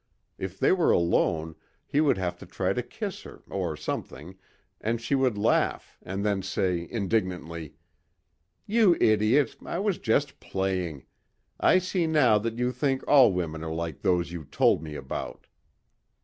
If they were alone he would have to try to kiss her or something and she would laugh and then say indignantly, "You idiot, I was just playing. I see now that you think all women are like those you told me about."